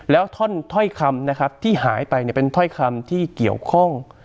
แล้วถ้อยคำนะครับที่หายไปเนี่ยเป็นถ้อยคำที่เกี่ยวข้อง